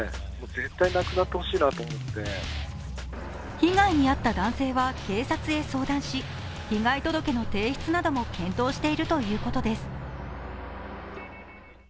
被害に遭った男性は警察に相談し被害届の提出なども検討しているということです。